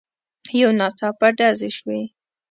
يو ناڅاپه ډزې شوې.